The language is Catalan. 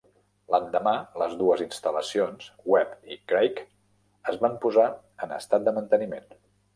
L'endemà, les dues instal·lacions, Webb i Craig, es van posar en estat de manteniment.